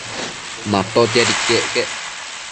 Matotiad iquec quec